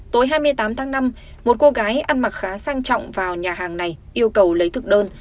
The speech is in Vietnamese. tối hai mươi tám tháng năm một cô gái ăn mặc khá sang trọng vào nhà hàng này yêu cầu lấy thực đơn